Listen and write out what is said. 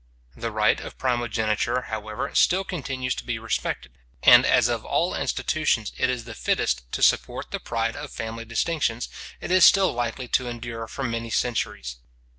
The right of primogeniture, however, still continues to be respected; and as of all institutions it is the fittest to support the pride of family distinctions, it is still likely to endure for many centuries.